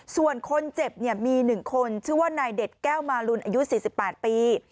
ส่วนคนเจ็บมี๑คนชื่อว่านายเด็ดแก้วมาลุนอายุ๔๘ปี